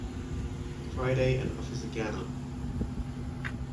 Friday and Officer Gannon.